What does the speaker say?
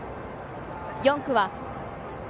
４区は２